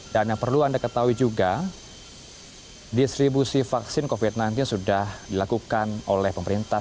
dan yang perlu anda ketahui juga distribusi vaksin covid sembilan belas sudah dilakukan oleh pemerintah